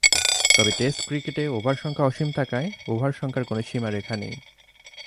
তবে, টেস্ট ক্রিকেটে ওভার সংখ্যা অসীম থাকায় ওভার সংখ্যার কোন সীমারেখা নেই।